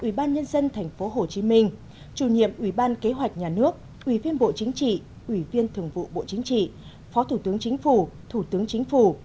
ủy ban nhân dân tp hcm chủ nhiệm ủy ban kế hoạch nhà nước ủy viên bộ chính trị ủy viên thường vụ bộ chính trị phó thủ tướng chính phủ thủ tướng chính phủ